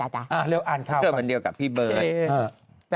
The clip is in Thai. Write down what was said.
หรือเกิดวันเดียวกับพี่เบิร์ท